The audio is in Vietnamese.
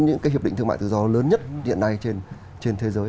những cái hiệp định thương mại tự do lớn nhất hiện nay trên thế giới